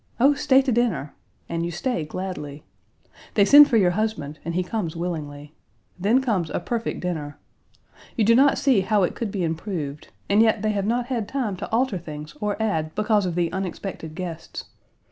"Oh, stay to dinner!" and you stay gladly. They send for your husband, and he comes willingly. Then comes a perfect dinner. You do not see how it could be improved; and yet they have not had time to alter things or add because of the unexpected guests.